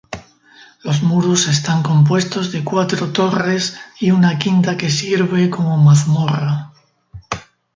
Los muros están compuestos de cuatro torres y una quinta que sirve como mazmorra.